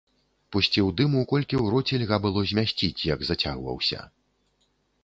Пусціў дыму, колькі ў роце льга было змясціць, як зацягваўся.